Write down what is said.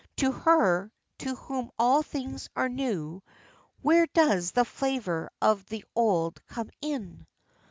To her, to whom all things are new, where does the flavor of the old come in?